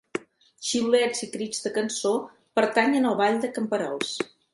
Xiulets i crits de cançó pertanyen al ball de camperols.